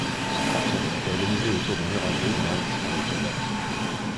Ce canton était organisé autour de Mirambeau dans l'arrondissement de Jonzac.